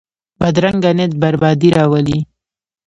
بدرنګه نیت بربادي راولي